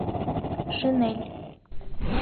Шинель